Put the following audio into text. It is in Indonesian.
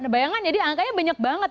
bayangan jadi angkanya banyak banget